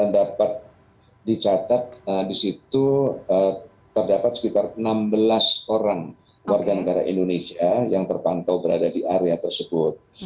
dapat dicatat di situ terdapat sekitar enam belas orang warga negara indonesia yang terpantau berada di area tersebut